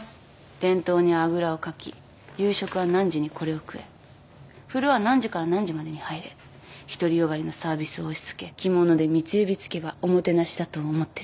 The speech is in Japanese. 伝統にあぐらをかき「夕食は何時にこれを食え」「風呂は何時から何時までに入れ」独り善がりのサービスを押し付け着物で三つ指つけばおもてなしだと思ってる。